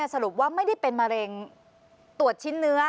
สรุปว่าไม่ได้เป็นมะเร็งตรวจชิ้นเนื้อ